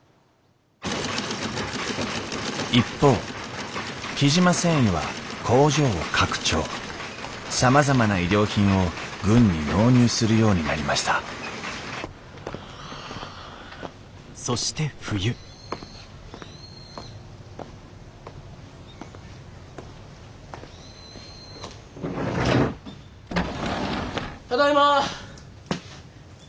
一方雉真繊維は工場を拡張さまざまな衣料品を軍に納入するようになりましたただいま。